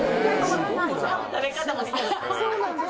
そうなんです。